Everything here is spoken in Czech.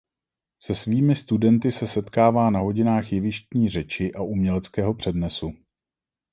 Se svými studenty se setkává na hodinách jevištní řeči a uměleckého přednesu.